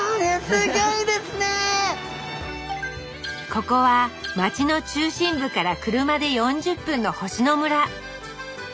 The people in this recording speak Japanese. ここは町の中心部から車で４０分の星野村。